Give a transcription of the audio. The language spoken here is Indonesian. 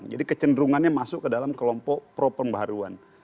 jadi kecenderungannya masuk ke dalam kelompok pro pembaruan